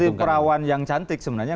tapi perawan yang cantik sebenarnya